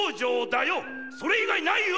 それ以外ないよ！